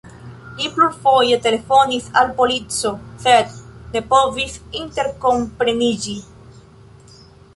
Li plurfoje telefonis al polico, sed ne povis interkompreniĝi.